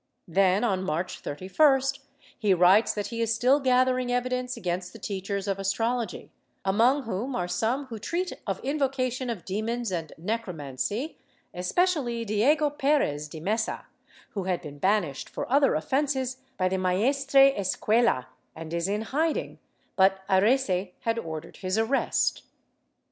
Then, on March 31st he writes that he is still gathering evidence against the teachers of astrology, among whom are some who treat of invocation of demons and necromancy, especially Diego Perez de Messa, who had been banished for other offences by the maestre escuela and is in hiding, but Arrese had ordered his arrest.